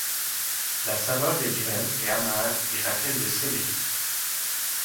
La saveur des graines est amère et rappelle le céleri.